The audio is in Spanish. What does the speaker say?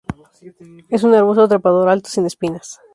Es un arbusto trepador alto, sin espinas.